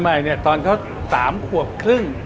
ไม่ตอนเขา๓ขวบครึ่ง